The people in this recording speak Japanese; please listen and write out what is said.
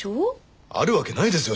あるわけないですよ